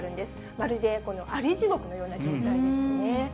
まるであり地獄のような状態ですね。